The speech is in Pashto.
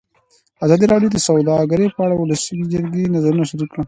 ازادي راډیو د سوداګري په اړه د ولسي جرګې نظرونه شریک کړي.